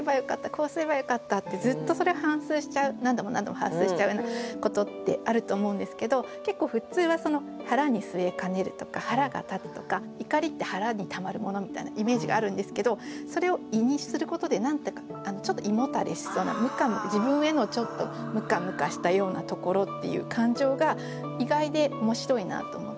「こうすればよかった」ってずっとそれを反芻しちゃう何度も何度も反芻しちゃうようなことってあると思うんですけど結構普通は「腹に据えかねる」とか「腹が立つ」とか怒りって腹に溜まるものみたいなイメージがあるんですけどそれを「胃」にすることで何て言うかちょっと胃もたれしそうな自分へのちょっとムカムカしたようなところっていう感情が意外で面白いなと思って。